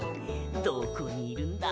どこにいるんだ？